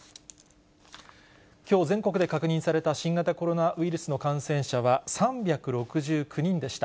きょう全国で確認された新型コロナウイルスの感染者は３６９人でした。